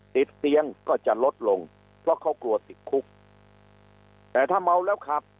ติดเตียงก็จะลดลงเพราะเขากลัวติดคุกแต่ถ้าเมาแล้วขับ